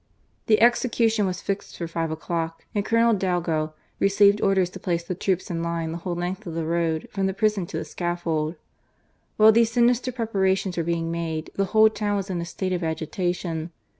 The execution was fixed for five o'clock, and j Colonel Dalgo received orders to place the troops ia line the whole length of the road, from the prison' to the scaffold. While these sinister preparations were being made, the whole town was in a state of agitation.